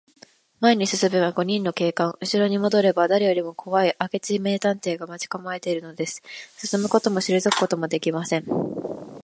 前に進めば五人の警官、うしろにもどれば、だれよりもこわい明智名探偵が待ちかまえているのです。進むこともしりぞくこともできません。